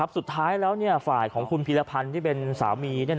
สุดท้ายฝ่ายของคุณพีรพันธุ์เป็นสามี